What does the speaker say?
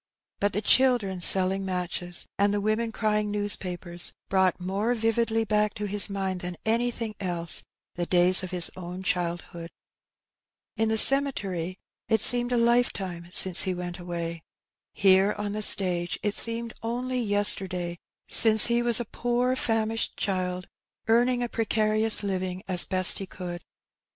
But the children selling matches and the women crying newspapers brought more The Reward of Well doing. 281 vividly back to his mind than anything else the days of his own childhood. In the cemetery it seemed a life time since he went away; here, on the stage, it seemed only yesterday since he was a poor famished child, earning a precarious living as best he could.